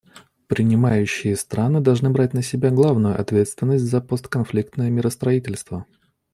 Принимающие страны должны брать на себя главную ответственность за постконфликтное миростроительство.